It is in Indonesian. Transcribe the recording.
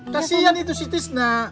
kasian itu si tisna